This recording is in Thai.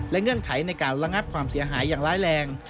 เงื่อนไขในการระงับความเสียหายอย่างร้ายแรง